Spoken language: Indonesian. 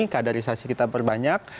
kadarisasi kita berbanyak